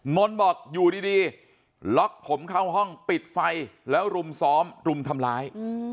นนบอกอยู่ดีล็อกผมเข้าห้องปิดไฟแล้วรุมซ้อมรุมทำร้าย